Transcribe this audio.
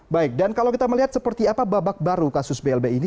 baik dan kalau kita melihat seperti apa babak baru kasus blbi ini